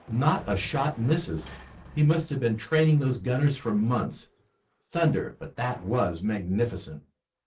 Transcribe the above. Not a shot misses! He must have been training those gunners for months! Thunder, but that was magnificent!"